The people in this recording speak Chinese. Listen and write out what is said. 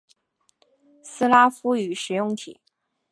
斯拉夫语使用体。